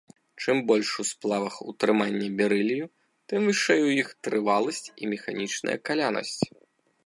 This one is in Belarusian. Чым больш у сплавах утрыманне берылію, тым вышэй у іх трываласць і механічная калянасць.